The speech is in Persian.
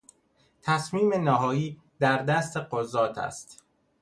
تصمیم نهایی در دست قضات است.